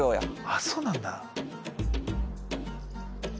あっそうなんだ。